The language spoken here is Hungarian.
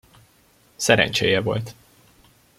Szerencséje volt.